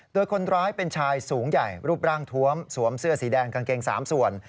โดยคนร้ายเป็นชายสูงใหญ่รูปร่างทวมสวมเสื้อสีแดงกางเกง๓ส่วน